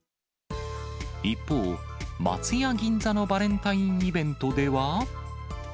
一方、松屋銀座のバレンタインイベントでは。